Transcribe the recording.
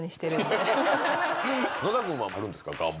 野田君はあるんですか？